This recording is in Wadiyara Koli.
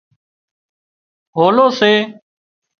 هولو سي